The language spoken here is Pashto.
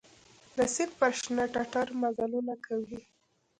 د سیند پر شنه ټټر مزلونه کوي